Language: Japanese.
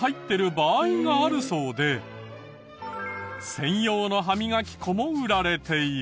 専用の歯みがき粉も売られている。